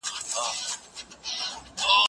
سفر وکړه؟